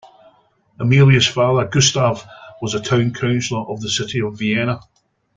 Emilia's father, Gustav, was a town councillor of the city of Vienna.